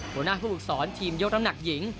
หัวหน้าผู้ฝึกสอนทีมยกน้ำหนักหญิง